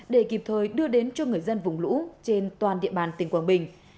để kịp thời đưa đến cho người dân vùng lũ trên toàn địa bàn tỉnh quảng bình